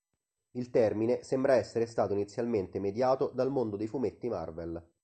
Il termine sembra essere stato inizialmente mediato dal mondo dei fumetti Marvel.